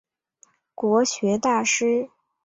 国学大师。